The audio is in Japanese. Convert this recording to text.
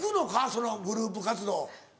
そのグループ活動。